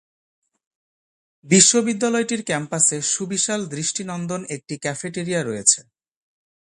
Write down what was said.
বিশ্ববিদ্যালয়টির ক্যাম্পাসে সুবিশাল দৃষ্টিনন্দন একটি ক্যাফেটেরিয়া রয়েছে।